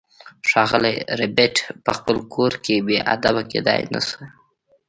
ښاغلی ربیټ په خپل کور کې بې ادبه کیدای نشوای